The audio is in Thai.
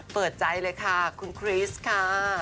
เปิดใจเลยค่ะคุณคริสค่ะ